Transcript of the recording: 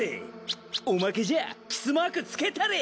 おまけじゃキスマークつけたれ。